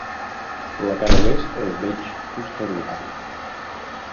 La cara oest és menys costeruda.